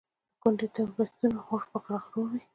د ګوندي تربګنیو اور په غړغړو وي.